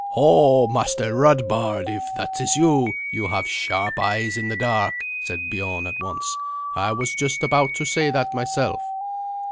"Ho, Master Radbard, if that is you, you have sharp eyes in the dark," said Biorn at once; "I was just about to say that myself."